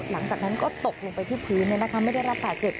หลังจากนั้นก็ตกลงไปที่พื้นไม่ได้รับบาดเจ็บ